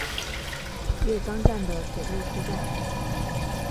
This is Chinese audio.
月冈站的铁路车站。